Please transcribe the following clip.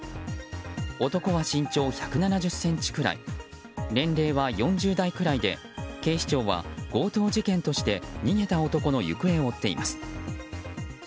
男は身長１７０ｃｍくらい年齢は４０代くらいで警視庁は強盗事件として逃げた男の行方を追っています。